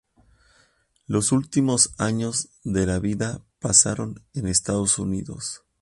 Los últimos años de la vida pasaron en Estados Unidos.